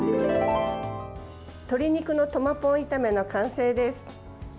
鶏肉のトマポン炒めの完成です。